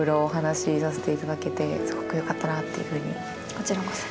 こちらこそ。